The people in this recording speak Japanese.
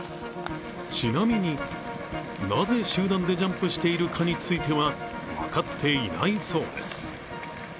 ちなみに、なぜ集団でジャンプしているかについては分かっていないそうです。